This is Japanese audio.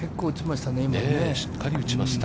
しっかり打ちました。